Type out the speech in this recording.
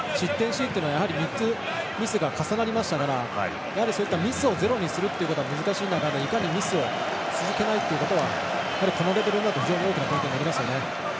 シーンっていうのは３つミスが重なりましたからそういったミスをゼロにするっていうのが難しい中でいかにミスを続けないかっていうことはこのレベルになると非常に大きなポイントになりますよね。